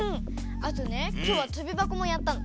あとねきょうはとびばこもやったの。